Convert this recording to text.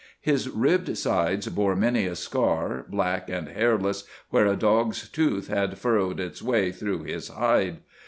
His ribbed sides bore many a scar, black and hairless, where a dog's tooth had furrowed its way through his hide.